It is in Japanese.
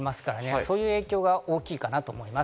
そういう影響が大きいかなと思います。